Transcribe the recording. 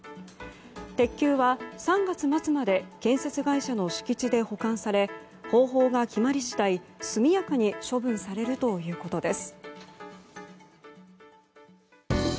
鉄球は３月末まで建設会社の敷地で保管され方法が決まり次第速やかに処分されるということです。